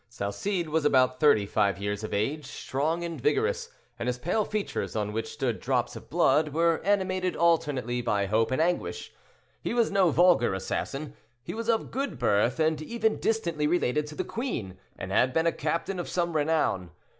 Salcede was about thirty five years of age, strong and vigorous; and his pale features, on which stood drops of blood, were animated alternately by hope and anguish. He was no vulgar assassin; he was of good birth, and even distantly related to the queen, and had been a captain of some renown.